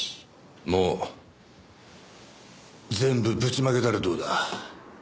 もう全部ぶちまけたらどうだ？